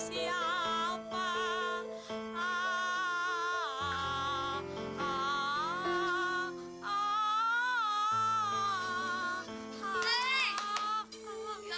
sekarang begini aja gimana kalau baik kita bawa ke pos mendingan kalau gitu